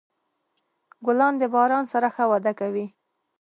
ګلان د باران سره ښه وده کوي.